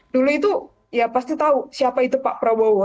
dulu itu ya pasti tahu siapa itu pak prabowo